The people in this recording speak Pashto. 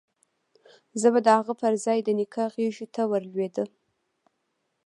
زه به د هغه پر ځاى د نيکه غېږې ته ولوېدم.